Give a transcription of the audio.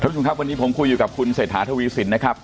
ทุกชุมค้าวันนี้ผมคุยอยู่กับคุณเสจหาทวีสินครับ